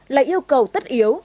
là yêu cầu tất yếu